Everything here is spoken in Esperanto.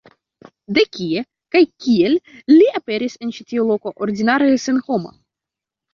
De kie kaj kiel li aperis en ĉi tiu loko, ordinare senhoma?